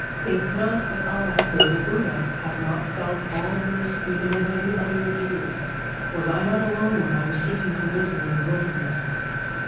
Think not that I, though the Buddha, have not felt all this even as any other of you; was I not alone when I was seeking for wisdom in the wilderness?